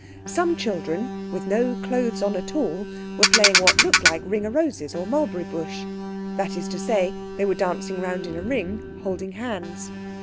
Some children, with no clothes on at all, were playing what looked like Ring o' Roses or Mulberry Bush. That is to say, they were dancing round in a ring, holding hands.